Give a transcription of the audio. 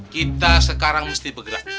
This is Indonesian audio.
kita sekarang mesti bergerak